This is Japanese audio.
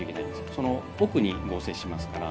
その奥に合成しますから。